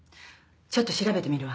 ちょっと調べてみるわ。